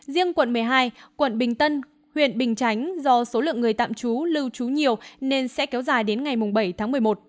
riêng quận một mươi hai quận bình tân huyện bình chánh do số lượng người tạm trú lưu trú nhiều nên sẽ kéo dài đến ngày bảy tháng một mươi một